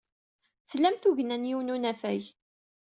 Tlam tugna n yiwen n unafag.